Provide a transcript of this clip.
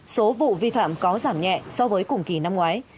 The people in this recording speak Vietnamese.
số vụ vi phạm có giảm nhẹ so với cùng kỳ năm ngoái